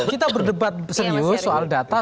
kita berdebat serius soal data